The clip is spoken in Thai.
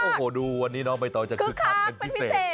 โอ้โหดูวันนี้น้องใบตองจะคึกคักเป็นพิเศษ